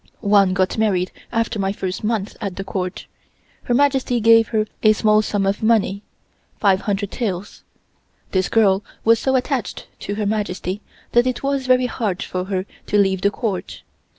One got married after my first month at the Court. Her Majesty gave her a small sum of money, five hundred taels. This girl was so attached to Her Majesty that it was very hard for her to leave the Court.